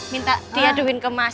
minta diaduin ke mas